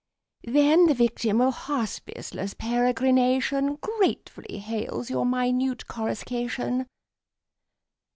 Then the victim of hospiceless peregrination Gratefully hails your minute coruscation.